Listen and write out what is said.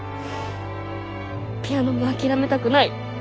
ピアノも諦めたくない。